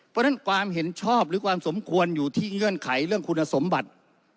เพราะฉะนั้นความเห็นชอบหรือความสมควรอยู่ที่เงื่อนไขเรื่องคุณสมบัติ